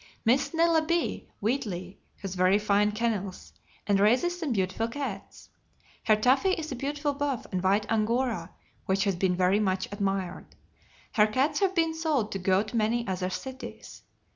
Miss Nella B. Wheatley has very fine kennels, and raises some beautiful cats. Her Taffy is a beautiful buff and white Angora, which has been very much admired. Her cats have been sold to go to many other cities.